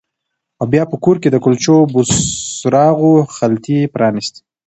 او بیا په کور کې د کلچو او بوسراغو خلطې پرانیستې